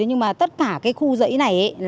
nhưng mà tất cả cái khu dãy này